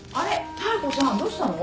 妙子さんどうしたの？